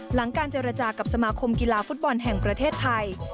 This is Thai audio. หลังการเจรจากับสมาคมกีฬาฟุตบอลแห่งประเทศไทย